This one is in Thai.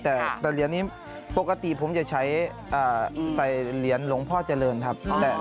แต่เหรียญนี้ปกติผมจะใช้ใส่เหรียญหลวงพ่อเจริญครับ